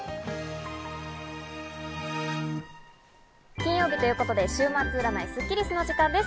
金曜日ということで週末占いスッキりすの時間です。